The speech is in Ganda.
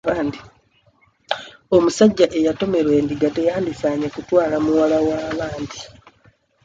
Omusajja eyatomerwa endiga teyandisaanye kutwala muwala wa bandi.